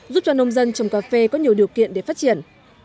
giúp cho nông dân trồng cà phê có nhiều điều kiện để phát triển